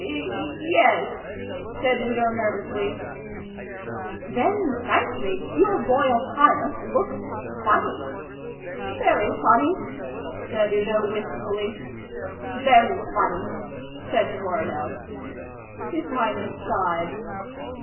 "Y yes," said Udo nervously. "Then, frankly, your Royal Highness looks funny." "Very funny?" said Udo wistfully. "Very funny," said Coronel. His Highness sighed.